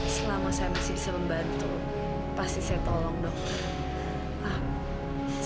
selama saya masih bisa membantu pasti saya tolong dong